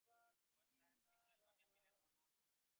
পরেশ তাহাকে কী বলিবেন ভাবিয়া পাইলেন না।